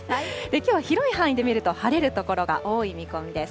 きょうは広い範囲で見ると、晴れる所が多い見込みです。